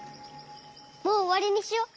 もうおわりにしよう。